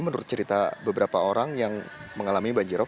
menurut cerita beberapa orang yang mengalami banjir rop